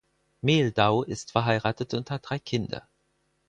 Mehldau ist verheiratet und hat drei Kinder.